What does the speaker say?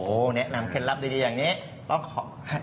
โอ้โฮแนะนำเคล็ดลับดีอย่างนี้